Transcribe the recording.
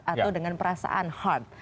atau dengan perasaan heart